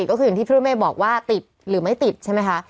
ก็คืออย่างที่พี่เมฆบอกว่าติดหรือไม่ติดใช่ไหมคะ